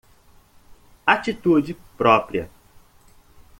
Atitude própria